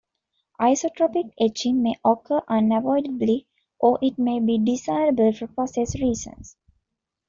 Isotropic etching may occur unavoidably, or it may be desirable for process reasons.